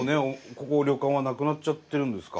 ここ旅館はなくなっちゃってるんですか？